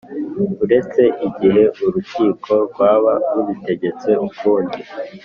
Uretse igihe urukiko rwaba rubitegetse ukundi